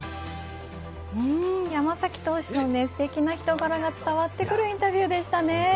山崎投手のすてきな人柄が伝わってくるインタビューでしたね。